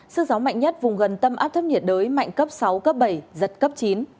sức gió mạnh nhất vùng gần tâm áp thấp nhiệt đới mạnh cấp sáu cấp bảy giật cấp chín